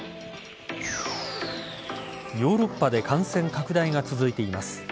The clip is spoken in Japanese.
ヨーロッパで感染拡大が続いています。